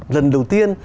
lần đầu tiên